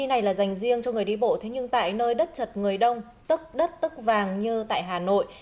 này là dành riêng cho người đi bộ thế nhưng tại nơi đất chật người đông tức đất tức vàng như tại hà nội